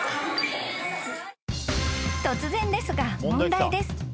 ［突然ですが問題です］